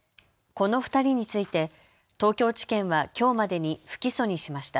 この２人について東京地検はきょうまでに不起訴にしました。